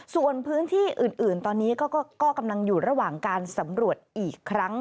ส่วนพื้นที่อื่นตอนนี้ก็กำลังอยู่ระหว่างการสำรวจอีกครั้ง